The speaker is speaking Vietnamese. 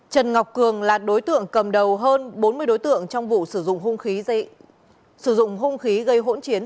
trần ngọc cường là đối tượng cầm đầu hơn bốn mươi đối tượng trong vụ sử dụng hung khí gây hỗn chiến